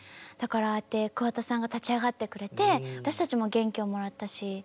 だからああやって桑田さんが立ち上がってくれて私たちも元気をもらったし。